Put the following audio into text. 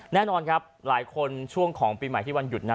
แน่นอนครับหลายคนช่วงของปีใหม่ที่วันหยุดนั้น